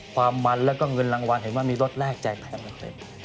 ความมันแล้วก็เงินรางวัลเห็นว่ามีรถแรกใจแทน